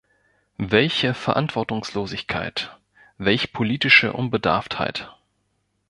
Welche Verantwortungslosigkeit, welch politische Unbedarftheit.